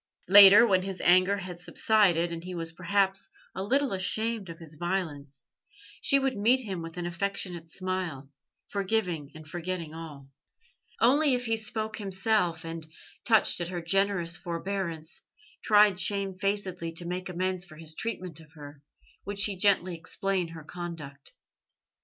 Later, when his anger had subsided, and he was perhaps a little ashamed of his violence, she would meet him with an affectionate smile, forgiving and forgetting all. Only if he spoke himself, and, touched at her generous forbearance, tried shamefacedly to make amends for his treatment of her, would she gently explain her conduct.